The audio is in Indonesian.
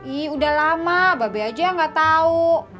ih udah lama babe aja yang gak tau